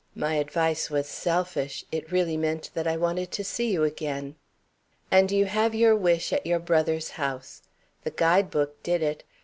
My advice was selfish it really meant that I wanted to see you again." "And you have your wish, at your brother's house! The guide book did it.